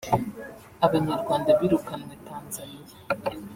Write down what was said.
Abanyarwanda birukanwe Tanzania